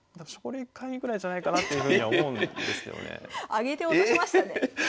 上げて落としましたね。